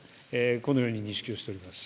このように認識をしております。